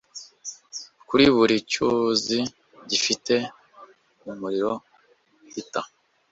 kuri buri cyuzi gifite umuriro uhita